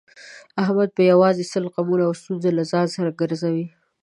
احمد په یووازې سر سل غمونه او ستونزې له ځان سره ګرځوي.